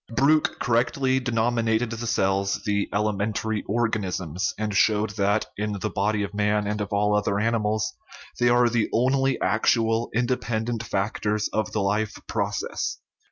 Briicke correctly de nominated the cells the " elementary organisms/' and showed that, in the body of man and of all other ani mals, they are the only actual, independent factors of the life process.